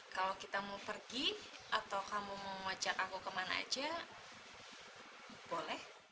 kalau kita mau pergi atau kamu mau ajak aku ke mana saja boleh